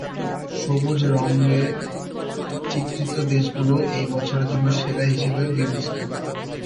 সবুজ রঙে চিত্রিত দেশগুলো ঐ বছরের জন্য সেরা হিসেবে বিবেচিত।